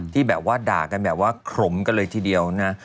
ที่แบบว่าด่ากันแบบว่าขลมกันเลยทีเดียวนะ